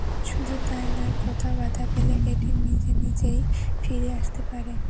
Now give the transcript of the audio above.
শুধু তা-ই নয়, কোথাও বাধা পেলে এটি নিজে নিজেই ফিরে আসতে পারে।